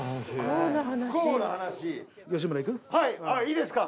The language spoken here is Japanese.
はいいいですか。